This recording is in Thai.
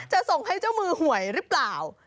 จะส่งให้เจ้ามือหวยหรือเปล่า